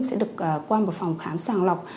sẽ được qua một phòng khám sàng lọc